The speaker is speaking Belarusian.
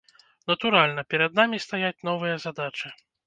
Натуральна, перад намі стаяць новыя задачы.